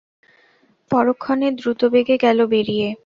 পরক্ষণে দ্রুতবেগে গেল বেরিয়ে।